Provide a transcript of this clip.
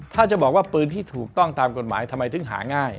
ถ้าจะบอกว่าปืนที่ถูกต้องตามกฎหมายทำไมถึงหาง่าย